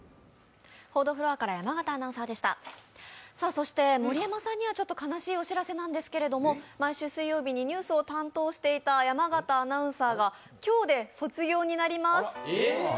そして盛山さんには悲しいお知らせなんですけど毎週水曜日にニュースを担当していた山形アナウンサーが今日で卒業になります。